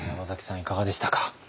いかがでしたか？